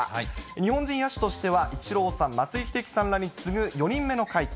日本人野手としてはイチローさん、松井秀喜さんらに次ぐ４人目の快挙。